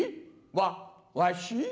わっわし？